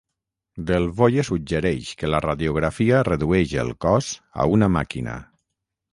Delvoye suggereix que la radiografia redueix el cos a una màquina.